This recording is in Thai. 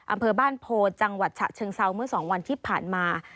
อำเภอบ้านโพจังหวัดฉะเชิงเซาเมื่อ๒วันที่ผ่านมา